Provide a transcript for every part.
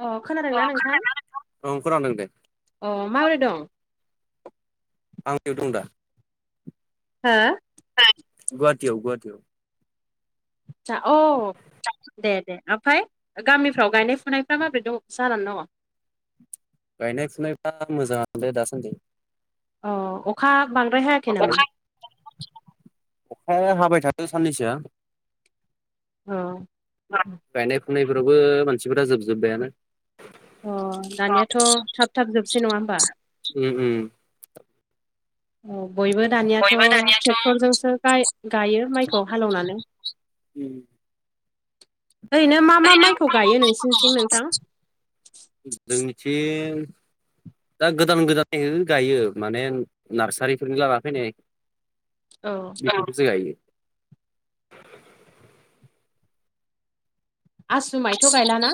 अ खोनादोंना नोंथां ओं खोनादों दे अ माबोरै दं आंनियाव दं दा हा गुहाटीयाव गुवाटीयाव आतसा औ दे दे ओमफफ्राय गामिफ्राव गायनाय फुनायफ्रा माबोरै दं जानानै दङ? गायनाय फुनायफ्रा मोजांयानो दासान्दि अ अखा बांद्राय हायाखै नामा? गाय अखाया हाबाय थादों साननैसोआ अ गायनाय फुनायफोरावबो मानसिफोरा जोबजोब्बायानो। अ दानियाथ' थाब थाब जोबसै नङा होमबा उम उम औ बयबो दानियाथ' बयबो दानियाथ' ट्रेक्टरजोंसो गायो माइखौ हालेवनानै। ओरैनो मा मा माइखौ गायो नोंसोरनिथिं नोंथां जोंनिथिं दा गोदान गोदानै गायो माने नार्सारिफोरनि लाना फैनाय औ औ [unintelligible] आसु माइथ' गायलाना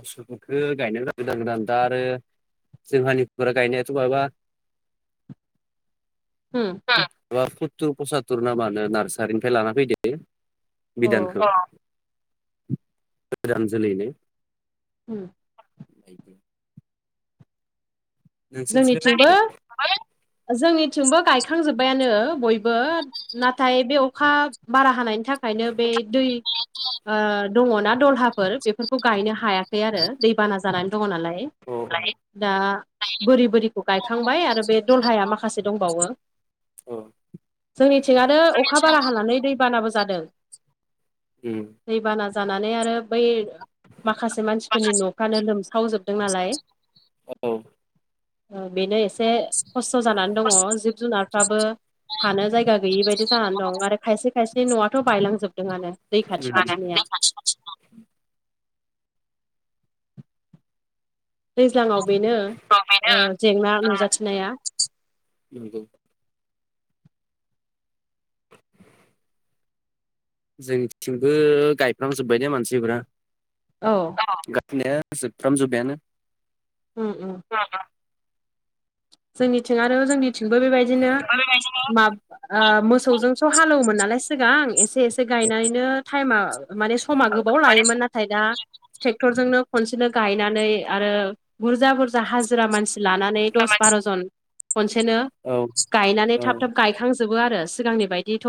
आसुखौथ गायनाय गोदान गोदान दा आरो जों हानिफोरा गायनायाथ' बहबा उम बा सत्तुर पसात्तुर नामानो नार्सारिनिफ्राय लाना फैदो बिदानखौ गोदान जोलैनो उम [inaudible] नोंसोरनिथिंलाय जोंनिथिंबो माबोरै? जोंनिथिंबो गायखांजोब्बायानो बयबो नाथाय बे अखा बारा हानायनि थाखायनो बे दै दङना‌ दलहाफोर बेफोरखौ गायनो हाया खै आरो दैबाना जानानै दङ नालाय अ दा बुरि बोरिखौ गायखांबाय आरो बे दलहाया माखासे दंबावो औ उम औ जोंनिथिंनो अखा बारा नंगौ हानानै दै बानाबो जादों उम दैबाना जानानै आरो बै माखासे मानसिफोरनि न'फ्रानो लोमसावजोबदों नालाय औ बेनो एसे खस्थ' जानानै दङ जिब जुनारफ्राबो हानो जायगा गैयि बायदि जानानै दं आरो खायसे खायसे न'आथ' बायलांजोबदोंआनो दै खाथि खाथिनिया दैज्लाङाव बेनो जेंना नुजाथिनाया नंगौ जोंथिंबो गायफ्रामजोब्बाय दे मानसिफ्रा औ औ [unintelligible] जोबफ्राम जोबबायानो उम उम [unintelligible] जोंनिथिं आरो जोंनिथिंबो बेबायदिनो मा मोसौजोंस' हालौवोमोन नालाय सिगां एसे एसे गायनानैनो टाइमा माने समा गोबाव लायोमोन नाथाय दा ट्रेक्टरजोंनो खनसेनो गायनानै आरो बुरजा बुरजा हाजिरा मानसि लानानै दस बार'जन खनसेनो औ गायनानै औ थाब थाब गायखां जोबो आरो सिगांनि बायदिथ'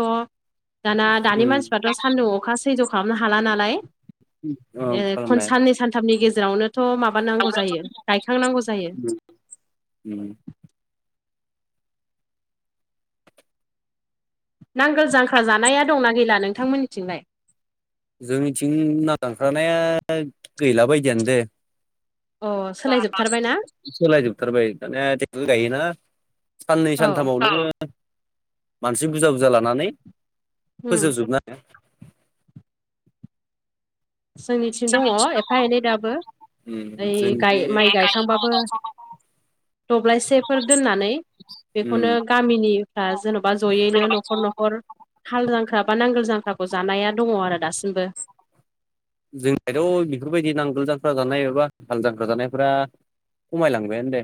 दाना दानि उम मानसिफ्राथ' सानदुं अखा सैज्य खालामनो हाला नालाय औ ए खन खालामनाया साननै सानथामनि गेजेरावनोथ' माबा नांगौ जायो गायखांनांगौ जायो उम नांगोल जांख्रा जानाया दंना गैला नोंथांमोननिथिंलाय। जोंनिथिं नालांख्रानाया गैला बायदियानो दे। अ सोलायजोबथारबाय ना सलाजोबथार ब ने गायो ना। साननै औ सानथामावनो। मानसि बुरजा बुरजा लानानै उम फोजोबजोबनोङाया जोंनिथिं दङ एफा एनै दाबो। उम ओइाय जोंदि माइ गायखांबाबो दब्लायसेफोर दोननानै। उम बेखौनो गामिनिफ्रा जेन'बा जों जयैनो न'खर न'खर हाल जांख्रा बा नांगोल जांख्राखौ जानाया दङ आरो दासिमबो। जोंनिथ' बेफोरबायदि नांगोल जांख्रा जानाय एबा हाल जांख्रा जानायफ खमायलांबायानो दे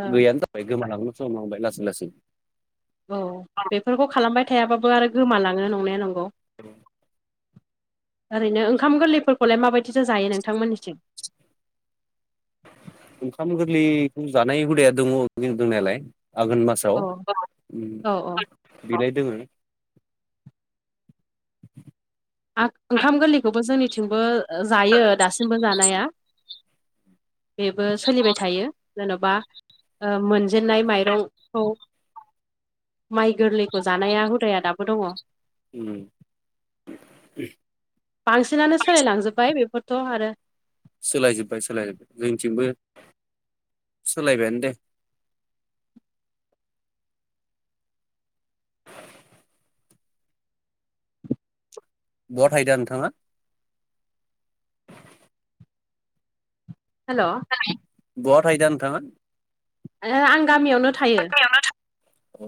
ओ गैयानो जाबाय गोमालांनो समलांबाय लासै लासै औ बेफोरखौ खालामबाय थायाबाबो आरो गोमालाङो नंनाया नंगौ। ओरैनो ओंखाम गोरलैफोरखौलाय माबायदिसो जायो नोंथांमोननिसिम। ओंखाम गोरलैखौ जानाय हुदाया दङि दंनायालाय आघोन मास स औ औ औ बिनाय दोङो। ओंखाम गोरलैखौबो जोंनिथिंबो जायो दासिमबो जानाया। बेबो सोलिबाय थायो। जेन'बा मोनजेननाय माइरंखौ। माइ गोरलैखौ जानाया हुदाया दाबो दङ। उम बांसिनानो सोलायलांजोब्बाय बेफोरथ' आरो। सोलाय जोबबाय सोलाय जोब्बाय जोंथिंबो सोलायबायानो दे। बहत थायदा नोंथाङा। हेल' बहाहा थाहदा नोंथां। आं गामियावनो थायो। औ।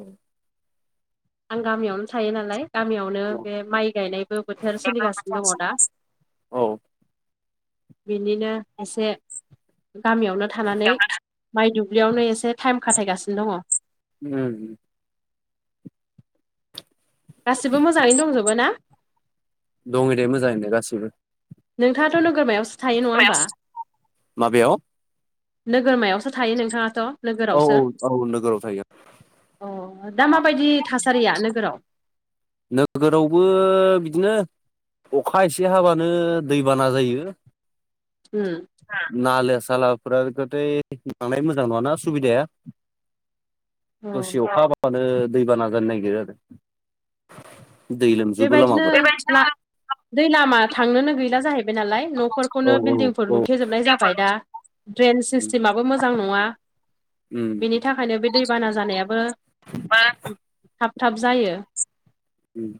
आं गामियावनो थायो नालाय गामियावनो बे माइ गायनायबो बोथोर सोलिगासिनो दङ दा। औ बिनिनो एसे। गामियावनो थानानै माइ दुब्लियावनो एसे टाइम खाथायगासिनो दङ। उम गासिबो मोजाङैनो दंजोबो ना। दङ दे मोजाङै दे गासिबो नोंथाङाथ' नोगोरमायावसो थायो नङा होमबा माबायाव नोगोरमायावसो। थायो नोंथाङाथ' औ नोगोरावसो औ औ नोगोराव थायो। अ दा माबायदि थासारिया नोगोराव। नोगोरावबो बिदिनो अखा एसे हाबानो दैबाना जायो। हम नालो सालाफोराथाय लांनाय मोजां नङाना सुबिदाया। औ दसे अखा हाबाबानो दैबाना जानो नागिरो आरो। दै लोमजोबो बेबायदिनो लामाफोरा दै लामा थांनोनो गैला जाहैबाय नालाय। औ न'फोरखौनो औ बिल्डिंफोर औ। लुथेेजोबनाय जाबाय दा ड्रेन सिस्टेमाबो मोजां नङा। उम बेनि थाखायनो बे दैबाना जानायाबो थाब थाब जायो। उम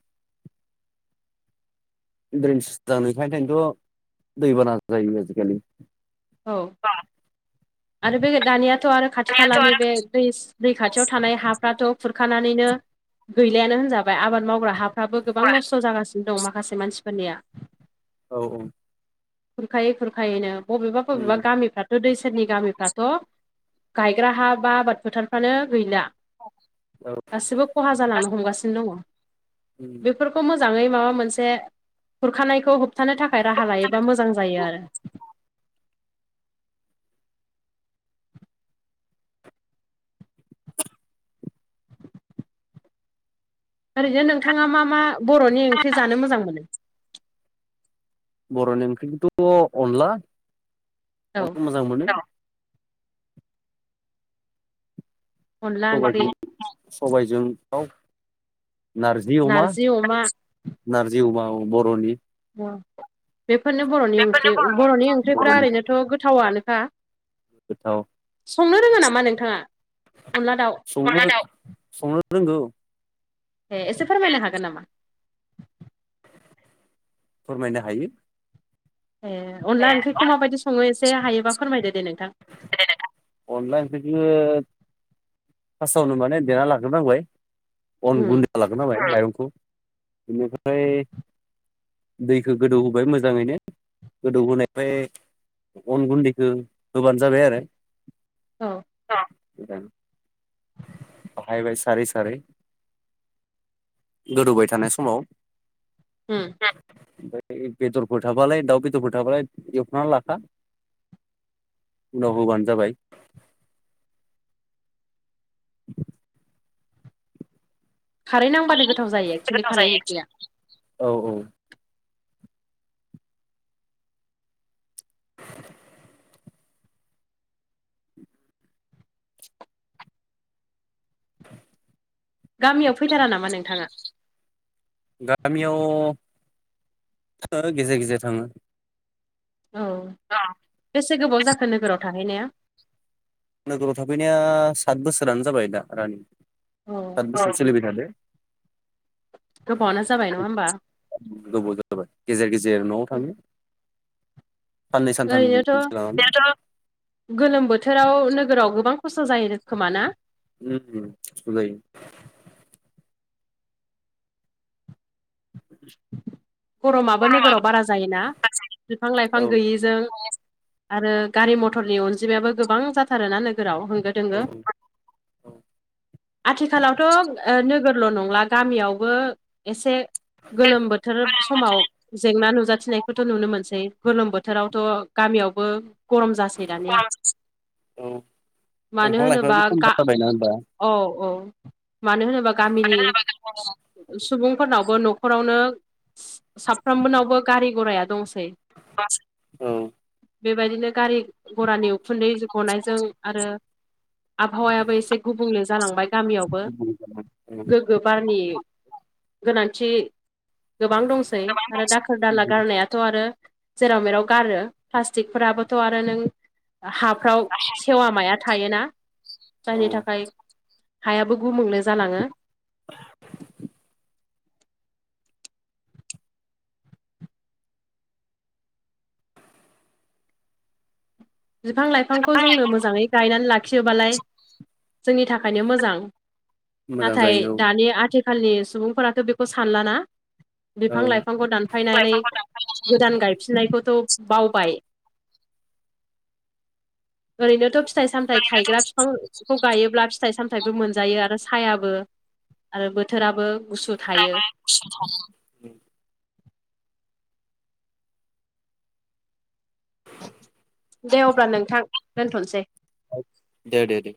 ड्रेन सिटां खायखायनोथ' दैबाना जायो आजिखालि। औ आरो बे दानियाथ' आरो खाथि दानियाथ' खालानि आरो बे दै। दै खाथियाव थानाय हाफ्राथ' खुरखानानैनो गैलायानो होनजाबाय आबाद मावग्रा हाफ्राबो गोबां नस्थ' जागासिनो दं माखासे मानसिफोरनिया। [inaudible] औ औ। खुरखायै खुरखायैनो बबेबा बबेबा उम गामिफ्रा दै सेरनि गामिफ्राथ' गायग्रा हा बा आबाद फोथारफ्रानो गैला औ गासिबो खहा जालांनो हमगासिनो दङ। उम। बेफोरखौ मोजाङै माबा मोनसे खुरखानायखौ होबथानो थाखाय राहा लायोबा मोजां जायो आरो। ओरैनो नोंथाङा मा मा बर'नि ओंख्रि जानो मोजां मोनो? बर'नि ओंख्रिखौथ' अनला अन औ मोजां मोनो। अनला ओंख्रि स सबायजों दाव नारजि अमा नारजि अमा बर'नि अ बेफोरनो बर'नि ओंख्रि बेफोरनो बर'नि ओंख्रि ओंख्रिफ्रा बर'नि ओरैनोथ' गोथावानोखा। गोथाव। संनो रोङा नामा नोंथाङा? अनला दाउ संनो संनो रोंगौ। ए एसे फोरमायनो हागोन नामा? फोरमायनो हायो। ए अनला ओंख्रिखौ माबायदि सङो एसे हायोबा फोरमायदो दे नोंथां। अनला ओंख्रिखो फार्स्टावनो माने देना लाग्रनांबाय अन उम गुन्दै खालाम खोनाबाय माइरंखौ बेनिफ्राय दैखौ गोदौ होबाय मोजाङैनो गोदौहोनायफ्राय अन गुन्दैखौ होबानो जाबाय आरो। औ बायबाय सारै सारै गोदौबाय थानाय समाव [inaudible] ओमफ्राय बेदरफोर थाबालाय दाउ बेदरफोर थाबालाय एवखाना लाखा उनाव होबानो जाबाय [unintelligible] खारै नांबानो गोथाव जायो एक्सुलि गोथाव खारै जायो ओंख्रिया औ औ। गामियाव फैथारा नामा नोंथाङा? गामियाव गेजेर गेजेर थाङो। औ। अ। बेसे गोबाव जाखो नोगोराव थाहैनाया नोगोराव थाफैनाया साथ बोसोरानो जाबाय दा रानिं औ उम साथ बोसोर उम सोलिबाय थादो। गोबावानो जाबाय नङा होमबा? गोबाव जाबाय गेजेर गेजेर न'आव थाङो। साननै सानथामनि ओरैनोथ' गोलोम बोथोराव नोगोराव गोबां खस्थ' जायो खोमा ना। उ सदाय [inaudible] गरमाबो गरमा नोगोराव बारा जायोना बिफां लाइफां औ गैयिजों आरो गारि मथरनि अनजिमायाबो गोबां जाथारोना नोगोराव होंगो औ दोंगो। आथिखालावथ' नोगोरल' नंला गामियावबो एसे गोलोम बोथोर गोलोम समाव बोथोरनि जेंना नुजाथिनायखौथ' नुनो मोनसै गोलोम बोथोरावथ' गामियावबो गरम जा सै दानिया गरम औ मानो दंफां होनोबा लाइफाङाबो खम जाबायना होमबा औ औ मानो होनोबा गामिनि सुबुंफोरनावबो न खरावनो साफ्रोमबोनावबो गारि गराया दंसै। [unintelligible] औ बेबायदिनो गारि घरानि उखुन्दै गनायजों आरो आबहावायाबो एसे गुबुंले जालांबाय गामियावबो गो बारनि गोनांथि गोबां दंसै आरो दाखोर दाला गारनायाथ थ' आरो जेराव मेराव गारो प्लास्टिकफोराबोथ' आरो नों हाफ्राव सेवा माया थायोना औ जायनि थाखाय हायाबो गुबुंले जालाङो [unintelligible] बिफां लाइफांखौ जोंनो मोजाङै गायनानै लाखियोबालाय जोंनि थाखायनो मोजां मोजां नाथाय जायो दानि आथि खालनि सुबुंफोराथ' बेखौ सानलाना बिफां औ लाइफांखौ दानफायनानै गोदान गायफिननायखौथ' बावबाय ओरैनोथ' फिथाइ सामथाइ थायग्रा बिफां खौ गायोब्ला फिथाइ सामथायाबो मोनजायो आरो सायाबो आरो बोथोराबो गुसु थायो [unintelligible] दे अब्ला नोंथां दोनथ'नोसै औ दे दे दे